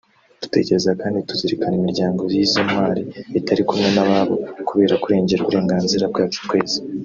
Dutekereze kandi tuzirikane imiryango y’izo ntwari itari kumwe n’ababo kubera kurengera uburenganzira bwacu twese